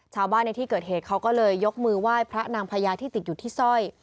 ในที่เกิดเหตุเขาก็เลยยกมือไหว้พระนางพญาที่ติดอยู่ที่สร้อย